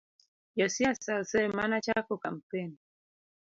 Josiasa osemana chako kampen